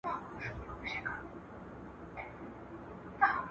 نړیوال قوانین د شخړو د هواري چوکاټ برابروي.